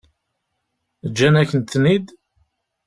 Ǧǧan-akent-ten-id?